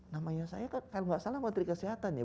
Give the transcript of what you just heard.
namanya saya kan kalau gak salah menteri kesehatan ya